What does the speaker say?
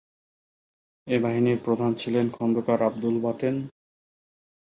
এ বাহিনীর প্রধান ছিলেন খন্দকার আবদুল বাতেন।